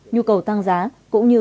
nhu cầu tăng giá cũng như